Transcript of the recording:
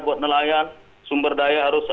buat nelayan sumber daya harus